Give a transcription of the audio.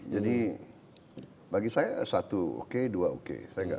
jadi bagi saya satu oke dua oke